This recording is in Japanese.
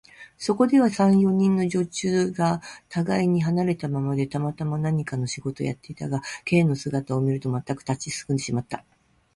そこでは、三、四人の女中がたがいに離れたままで、たまたま何かの仕事をやっていたが、Ｋ の姿を見ると、まったく立ちすくんでしまった。